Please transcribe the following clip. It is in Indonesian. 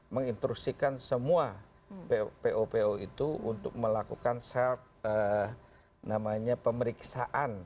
menginstruksikan semua po po itu untuk melakukan self pemeriksaan